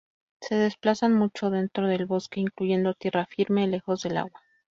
Se desplazan mucho dentro del bosque, incluyendo tierra firme, lejos del agua.